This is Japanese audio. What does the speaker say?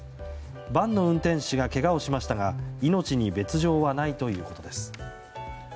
バンの運転手がけがをしましたが命に別条はないということです。